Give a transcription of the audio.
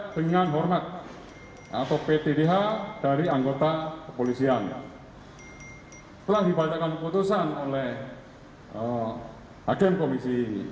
dengan hormat atau ptdh dari anggota kepolisian telah dibacakan keputusan oleh hakim komisi